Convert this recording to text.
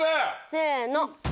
せの！